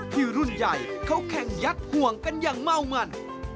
รุ่นใหญ่เขาแข่งยักษ์ห่วงกันอย่างเมามัน